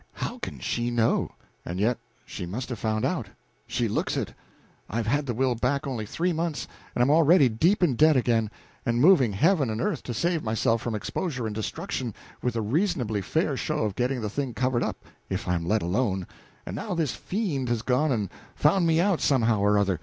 "How can she know? And yet she must have found out she looks it. I've had the will back only three months, and am already deep in debt again, and moving heaven and earth to save myself from exposure and destruction, with a reasonably fair show of getting the thing covered up if I'm let alone, and now this fiend has gone and found me out somehow or other.